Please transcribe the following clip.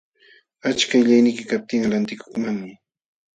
Achka qillayniyki kaptinqa lantikukmanmi.